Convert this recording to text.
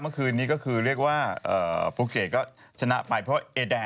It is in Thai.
มาคืนนี้ก็คือเรียกว่านี้ปกติเนี่ยชนะไปเพราะแอดดาร์